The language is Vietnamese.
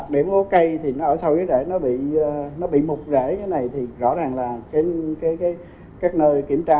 nếu cây thì nó ở sâu dưới rễ nó bị mục rễ như thế này thì rõ ràng là các nơi kiểm tra